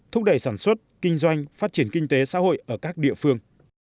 thúc đẩy sản xuất kinh doanh phát triển kinh tế xã hội ở các địa phương